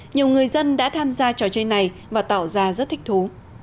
nhiều người dân đã tham gia trò chơi này và tạo ra rất thích thú